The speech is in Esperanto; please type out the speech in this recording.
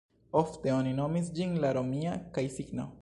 Ofte oni nomis ĝin la "romia" kaj-signo.